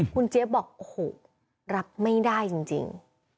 คุณเจี๊ยบบอกโอ้โหรับไม่ได้จริง